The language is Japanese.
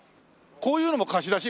こういうのも貸し出し？